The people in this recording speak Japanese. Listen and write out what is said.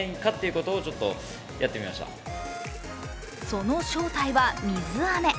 その正体は水あめ。